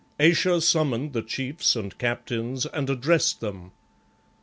Ayesha summoned the chiefs and captains, and addressed them.